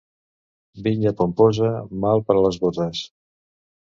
Vinya pomposa, mal per a les botes.